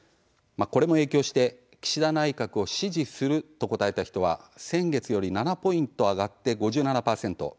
これも影響して、岸田内閣を「支持する」と答えた人は先月より７ポイント上がって５７％でした。